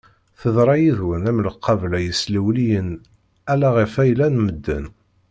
Teḍra yid-wen am lqabla yeslewliwen ala ɣef ayla n medden.